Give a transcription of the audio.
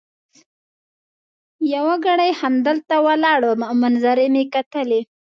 یو ګړی همدلته ولاړ وم او منظرې مي کتلې.